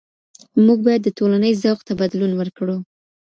موږ بايد د ټولني ذوق ته بدلون ورکړو.